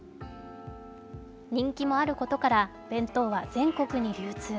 人気もあることから弁当は全国に流通。